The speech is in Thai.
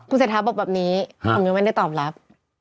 เศรษฐาบอกแบบนี้ผมยังไม่ได้ตอบรับ